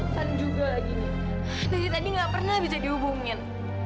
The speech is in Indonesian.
tan juga lagi nih dari tadi gak pernah bisa dihubungin